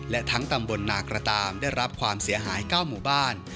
และทั้งตำบลนากระตามได้รับความเสียหาย๙หมู่บ้าน